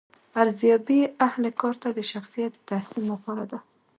ارزیابي اهل کار ته د شخصیت د تحسین لپاره ده.